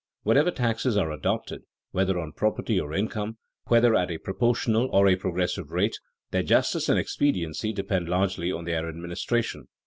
_ Whatever taxes are adopted, whether on property or income, whether at a proportional or a progressive rate, their justice and expediency depend largely on their administration.